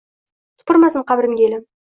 Tupurmasin qabrimga elim.